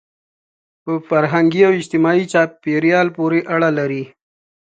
په فرهنګي او اجتماعي چاپېریال پورې اړه لري.